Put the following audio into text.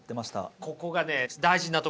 ここがね大事なとこです。